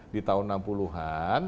di tahun enam puluh an